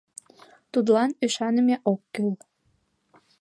Тудлан ӱшаныме ок кӱл!..